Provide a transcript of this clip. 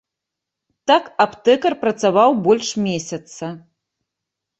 Так аптэкар працаваў больш месяца.